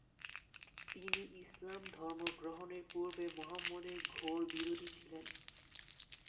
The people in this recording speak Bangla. তিনি ইসলাম ধর্ম গ্রহণের পূর্বে মুহাম্মদের ঘোর বিরোধী ছিলেন।